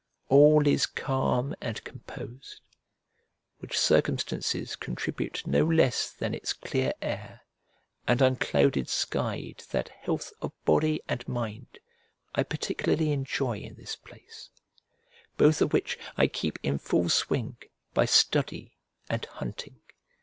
All is calm and composed; which circumstances contribute no less than its clear air and unclouded sky to that health of body and mind I particularly enjoy in this place, both of which I keep in full swing by study and hunting.